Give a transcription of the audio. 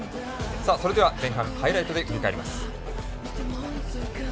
前半、ハイライトで振り返ります。